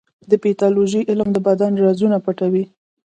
د پیتالوژي علم د بدن رازونه پټوي.